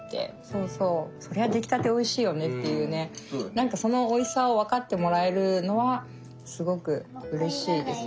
何かそのおいしさを分かってもらえるのはすごくうれしいですね。